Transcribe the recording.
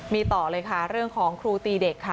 มีต่อเลยค่ะเรื่องของครูตีเด็กค่ะ